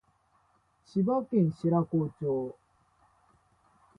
千葉県白子町